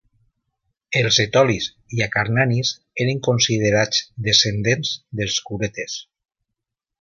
Els etolis i acarnanis eren considerats descendents dels curetes.